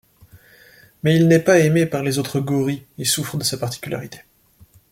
Mais il n'est pas aimé par les autres gorilles et souffre de sa particularité.